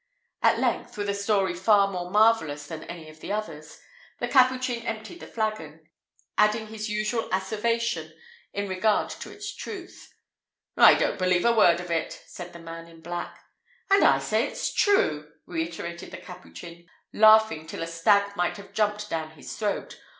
At length, with a story far more marvellous than any of the others, the Capuchin emptied the flagon, adding his usual asseveration in regard to its truth. "I don't believe a word of it," said the man in black. "And I say it's true," reiterated the Capuchin, laughing till a stag might have jumped down his throat.